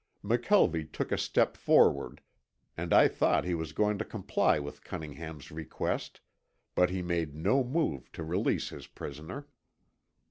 McKelvie took a step forward and I thought he was going to comply with Cunningham's request, but he made no move to release his prisoner.